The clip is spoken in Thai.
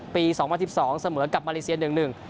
ปี๒๐๑๒เสมอกับมาเลเซียน๑๑